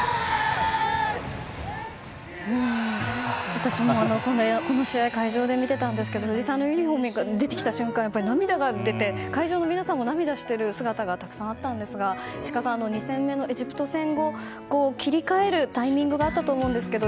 私もこの試合会場で見ていたんですけど藤井さんのユニホームが出てきた瞬間に涙が出て会場の皆さんも涙している姿がたくさんあったんですが石川さん、２戦目のエジプト戦後切り替えるタイミングがあったと思うんですけど